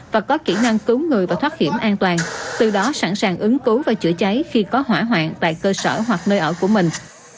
và có kỹ năng cứu người và thoát hiểm an toàn từ đó sẵn sàng ứng cứu và chữa cháy khi có hỏa hoạn tại cơ sở hoặc nơi ở của mình